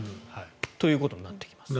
ということになってきます。